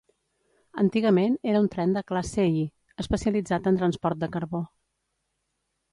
Antigament era un tren de classe I, especialitzat en transport de carbó.